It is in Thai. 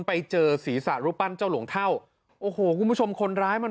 ไปเจอศีรษะรูปปั้นเจ้าหลวงเท่าโอ้โหคุณผู้ชมคนร้ายมัน